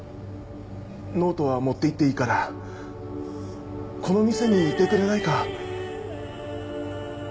ノートは持っていっていいからこの店にいてくれないか？